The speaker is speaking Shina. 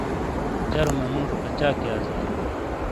جَرو مَنُوجو کَچاک یازئیی؟